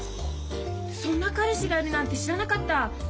そんな彼氏がいるなんて知らなかった。